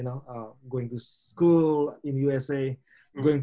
saya masih di sekolah di amerika serikat